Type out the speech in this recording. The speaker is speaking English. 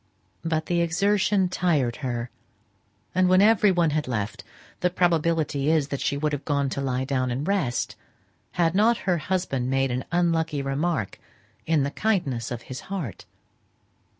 But the exertion tired her; and when every one had left, the probability is that she would have gone to lie down and rest, had not her husband made an unlucky remark in the kindness of his heart.